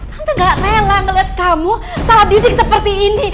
tante gak rela ngeliat kamu salah didik seperti ini